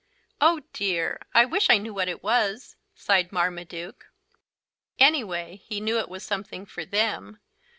"Oh dear! I wish I knew what it was," sighed Marmaduke. Anyway he knew it was something for them.